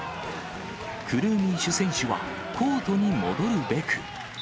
クルーミンシュ選手は、コートに戻るべく。